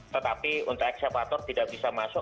tetapi untuk eksavator tidak bisa masuk